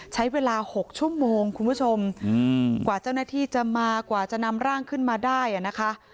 ใช้เวลา๖ชั่วโมงคุณผู้ชมกว่าเจ้าหน้าที่จะมากว่าจะนำร่างขึ้นมาได้นะคะ